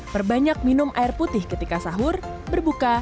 perbanyak minum air putih ketika sahur berbuka